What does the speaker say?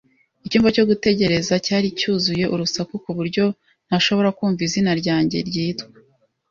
Icyumba cyo gutegereza cyari cyuzuye urusaku ku buryo ntashobora kumva izina ryanjye ryitwa.